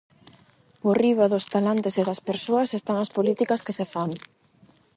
Por riba dos talantes e das persoas, están as políticas que se fan.